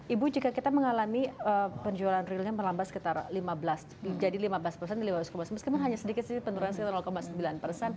ibu jika kita mengalami penjualan realnya melambat sekitar lima belas jadi lima belas persen lima ratus meskipun hanya sedikit sedikit penurunan sekitar sembilan persen